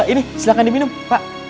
ini silahkan diminum pak